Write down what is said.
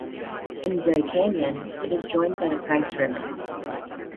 In Gray Canyon, it is joined by the Price River.